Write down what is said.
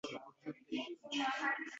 Birinchi bo`lib Karmallni chaqirishdi